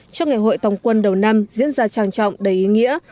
cho ngày hội tòng quân đầu năm diễn ra trang trọng đầy ý nghĩa